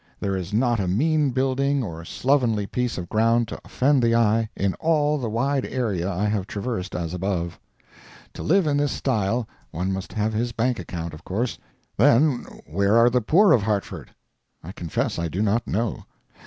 There is not a mean building or slovenly piece of ground to offend the eye in all the wide area I have traversed as above. To live in this style one must have his bank account, of course. Then, where are the poor of Hartford? I confess I do not know.